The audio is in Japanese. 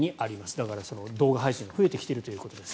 だから、動画配信は増えてきているということです。